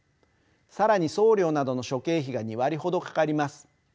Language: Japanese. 更に送料などの諸経費が２割ほどかかります。